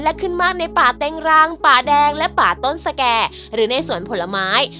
และขึ้นมากในป่าเต็งรังป่าแดงและป่าต้นสแก่หรือในสวนผลไม้